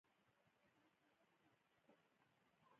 اوبزین معدنونه د افغانانو ژوند اغېزمن کوي.